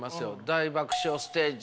「大爆笑ステージ！